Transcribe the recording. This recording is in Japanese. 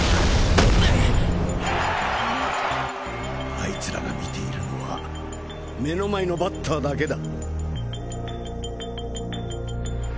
あいつらが見ているのは目の前のバッターだけだ。